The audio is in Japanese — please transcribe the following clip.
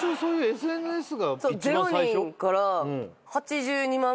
ＳＮＳの。